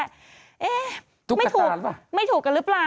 เอ๊ะไม่ถูกไม่ถูกกันหรือเปล่าตอนนั้นตอนนั้นตุ๊กตาหรือเปล่า